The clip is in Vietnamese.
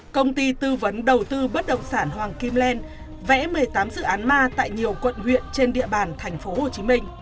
công ty tư vấn đầu tư bất động sản hoàng kim len vẽ một mươi tám dự án ma tại nhiều quận huyện trên địa bàn tp hcm